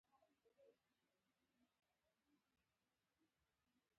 د پرانېستو بازارونو تمثیل کوي.